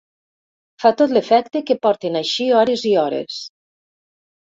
Fa tot l'efecte que porten així hores i hores.